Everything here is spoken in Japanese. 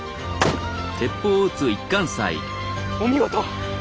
お見事！